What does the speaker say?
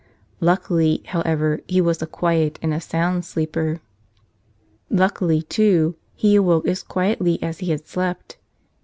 Luckily, however, he was a quiet and a sound sleeper. Luckily, too, he awoke as quietly as he had slept.